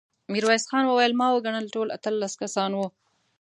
ميرويس خان وويل: ما وګڼل، ټول اتلس کسان وو.